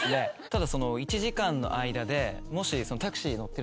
ただ１時間の間で。